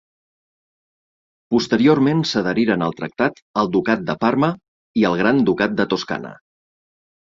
Posteriorment s'adheriren al tractat el Ducat de Parma i el Gran Ducat de Toscana.